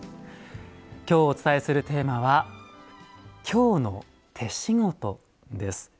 今日お伝えするテーマは「京の手しごと」です。